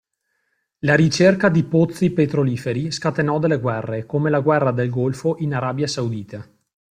La ricerca di pozzi petroliferi scatenò delle guerre come la guerra del Golfo in Arabia saudita.